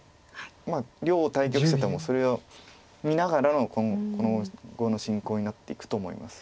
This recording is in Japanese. まあ両対局者ともそれを見ながらの今後の進行になっていくと思います。